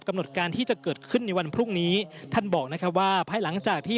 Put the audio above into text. หนดการที่จะเกิดขึ้นในวันพรุ่งนี้ท่านบอกนะครับว่าภายหลังจากที่